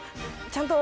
ちゃんと！